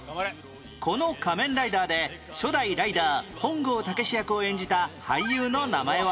この『仮面ライダー』で初代ライダー本郷猛役を演じた俳優の名前は？